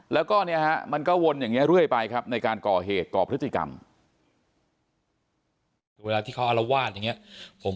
แล้วก็เนี่ยก็วนอย่างนี้เรื่อยไปครับในการก่อเหตุก่อพฤติกรรม